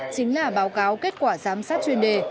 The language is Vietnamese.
chính là báo cáo kết quả giám sát chuyên đề